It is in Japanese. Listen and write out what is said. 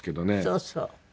そうそう。